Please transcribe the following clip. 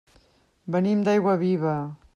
Venim d'Aiguaviva.